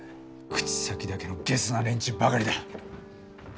口先だけのゲスな連中ばかりだ。